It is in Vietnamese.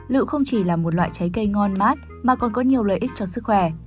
lựu không chỉ là một loại trái cây ngon mát mà còn có nhiều lợi ích cho sức khỏe